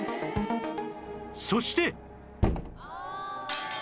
そして！